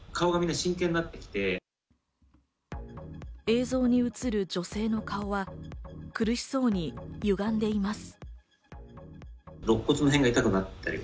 映像に映る女性の顔は苦しそうに歪んでいます。